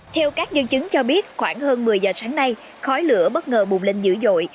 theo các nhân chứng cho biết khoảng hơn một mươi giờ sáng nay khói lửa bất ngờ bùm lên dữ dội